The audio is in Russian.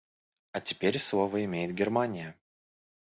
А теперь слово имеет Германия.